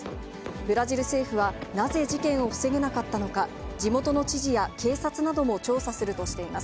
ブラジル政府は、なぜ事件を防げなかったのか、地元の知事や警察なども調査するとしています。